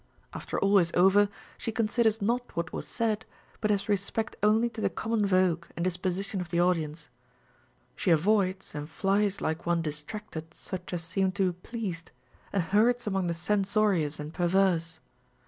After all is over, she considers not what was said, but has respect only to the common A^ogue and disposition of the audience ;• she avoids and flies like one distracted such as seem to be pleased, and herds among the censorious and perverse.